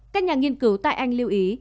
các nhà nghiên cứu tại anh lưu ý